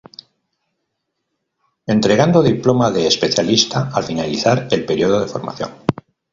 Entregando diploma de Especialista al finalizar el periodo de formación.